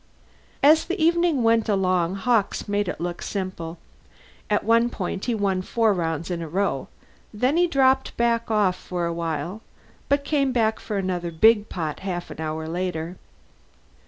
As the evening went along, Hawkes made it look simple. At one point he won four rounds in a row; then he dropped off for a while, but came back for another big pot half an hour later.